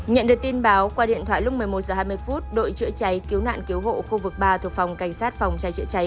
nhận được tin báo qua điện thoại lúc một mươi một h hai mươi đội chữa cháy cứu nạn cứu hộ khu vực ba thuộc phòng cảnh sát phòng cháy chữa cháy